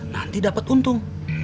nanti dapet untung